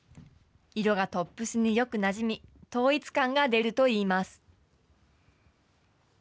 色がトップスによくなじみ、統一感が出るといいます。